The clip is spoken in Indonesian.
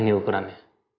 ini nih ukuran nya